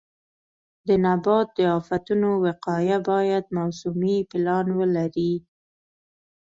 د نبات د آفتونو وقایه باید موسمي پلان ولري.